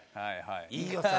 「飯尾さん